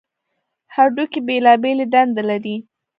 هډوکي بېلابېلې دندې لري.